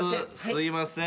すいません。